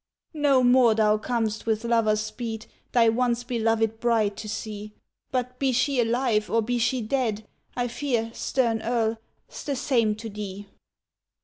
"No more thou com'st with lover's speed, Thy once belovèd bride to see; But be she alive, or be she dead, I fear, stern Earl, 's the same to thee.